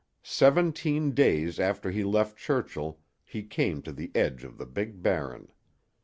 Seventeen days after he left Churchill he came to the edge of the big Barren.